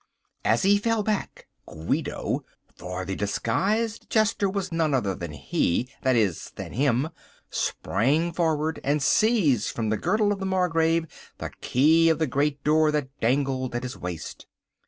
As he fell back, Guido—for the disguised jester was none other than he, that is, than him—sprang forward and seized from the girdle of the Margrave the key of the great door that dangled at his waist.